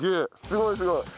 すごいすごい。